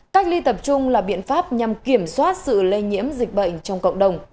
cách ly tập trung là biện pháp nhằm kiểm soát sự lây nhiễm dịch bệnh trong cộng đồng